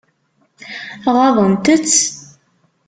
Ɣaḍent-t?